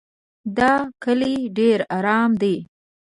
دا کلی ډېر ارام دی.